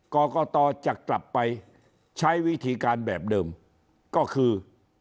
กรกตจะกลับไปใช้วิธีการแบบเดิมก็คือ